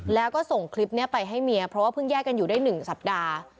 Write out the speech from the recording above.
แล้วก็ส่งคลิปนี้ไปให้เมียเพราะว่าเพิ่งแยกกันอยู่ได้๑สัปดาห์